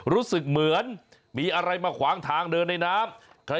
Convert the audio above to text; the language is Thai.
รู้สึกเหมือนมีอะไรมาขวางทางเดินในน้ำ